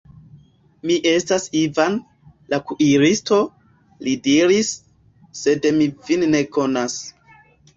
Mi estas Ivan, la kuiristo, li diris, sed mi vin ne konas.